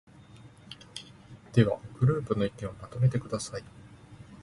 では、グループの意見をまとめてください。